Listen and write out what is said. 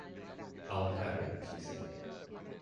“I’ll have it,” she said.